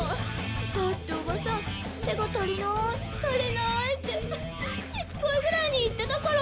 だっておばさん「手が足りない足りない」ってしつこいぐらいに言ってたから！